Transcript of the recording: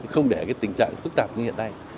không để tình trạng phức tạp như hiện nay